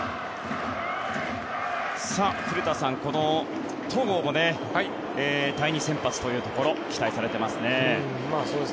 古田さん、戸郷も第２先発というところ期待されていますね。